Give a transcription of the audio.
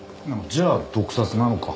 じゃあ毒殺なのか。